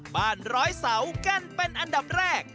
บ้านร้อยเสากั้นเป็นอันดับแรก